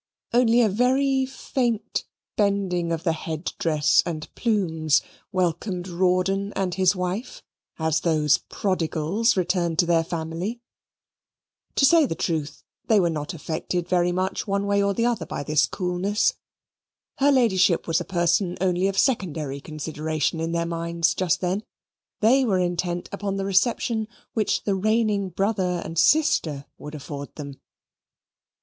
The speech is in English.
Only a very faint bending of the head dress and plumes welcomed Rawdon and his wife, as those prodigals returned to their family. To say the truth, they were not affected very much one way or other by this coolness. Her Ladyship was a person only of secondary consideration in their minds just then they were intent upon the reception which the reigning brother and sister would afford them.